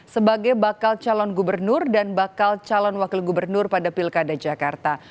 sebagai bakal calon gubernur dan bakal calon wakil gubernur pada pilkada jakarta